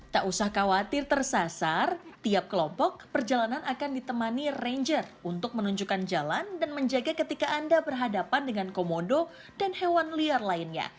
tak usah khawatir tersasar tiap kelompok perjalanan akan ditemani ranger untuk menunjukkan jalan dan menjaga ketika anda berhadapan dengan komodo dan hewan liar lainnya